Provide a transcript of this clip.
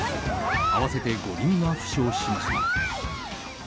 合わせて５人が負傷しました。